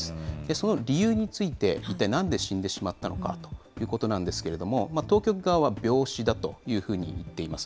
その理由について、一体なんで死んでしまったのかということなんですけれども、当局側は病死だというふうに言っています。